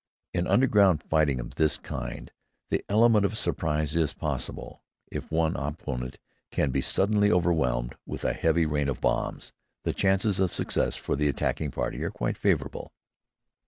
In underground fighting of this kind the element of surprise is possible. If one opponent can be suddenly overwhelmed with a heavy rain of bombs, the chances of success for the attacking party are quite favorable.